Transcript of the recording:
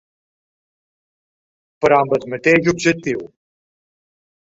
Però amb el mateix objectiu.